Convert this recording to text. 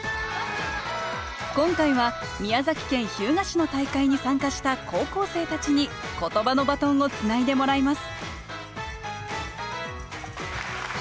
今回は宮崎県日向市の大会に参加した高校生たちにことばのバトンをつないでもらいます